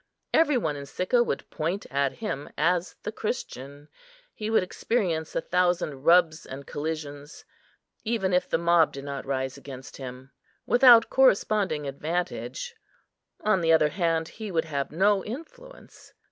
Every one in Sicca would point at him as the Christian; he would experience a thousand rubs and collisions, even if the mob did not rise against him, without corresponding advantage; on the other hand, he would have no influence.